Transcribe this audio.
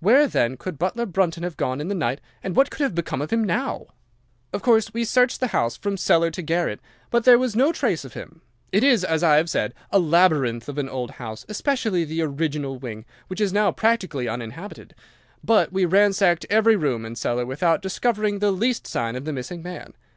Where then could butler Brunton have gone in the night, and what could have become of him now? "'Of course we searched the house from cellar to garret, but there was no trace of him. It is, as I have said, a labyrinth of an old house, especially the original wing, which is now practically uninhabited; but we ransacked every room and cellar without discovering the least sign of the missing man.